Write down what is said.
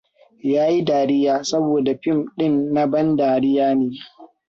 Yayi dariya saboda fim din na ban dariya ne.